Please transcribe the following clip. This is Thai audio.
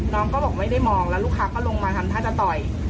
น้องก็บอกไม่ได้มองแล้วลูกค้าก็ลงมาทำท่าจะต่อย